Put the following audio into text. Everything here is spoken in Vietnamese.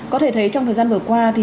có thể thấy trong thời gian vừa qua